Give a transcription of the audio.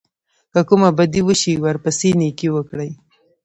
که کومه بدي وشي ورپسې نېکي وکړئ.